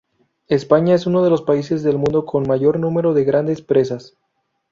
España es uno de los países del mundo con mayor número de grandes presas.